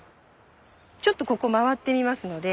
ちょっとここ回ってみますので。